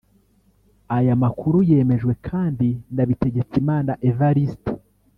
Aya makuru yemejwe kandi na Bitegetsimana Evariste